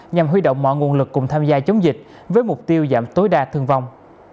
nhằm huy động mọi nguồn lực cùng tham gia chống dịch với mục tiêu giảm tối đa thương vong